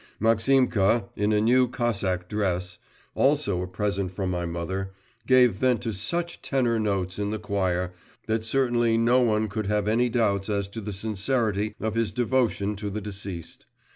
Maximka, in a new Cossack dress, also a present from my mother, gave vent to such tenor notes in the choir, that certainly no one could have any doubts as to the sincerity of his devotion to the deceased.